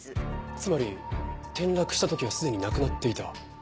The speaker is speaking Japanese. つまり転落した時はすでに亡くなっていた。